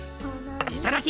いただき！